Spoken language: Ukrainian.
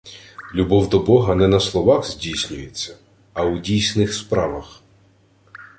Любов до Бога не на словах здійснюється, а у дійсних справах.